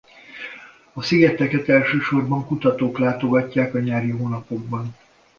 A szigeteket elsősorban kutatók látogatják a nyári hónapokban.